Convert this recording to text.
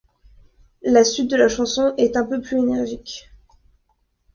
La suite de la chanson est un peu plus énergique.